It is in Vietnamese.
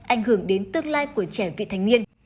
ảnh hưởng đến tương lai của trẻ vị thành niên